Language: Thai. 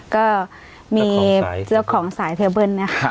ก็มีเจ้าของสายเทลเบิ้ลเนี่ย